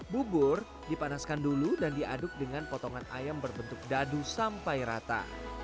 bubur dipanaskan dulu dan diaduk dengan potongan ayam berbentuk dadu sampai rata